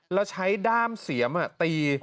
แล้วใช้ด้ามเสียมตี